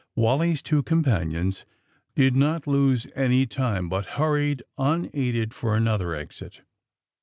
Wally 's two companions did not lose any time, but hurried unaided for another exit.